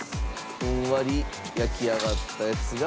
ふんわり焼き上がったやつが。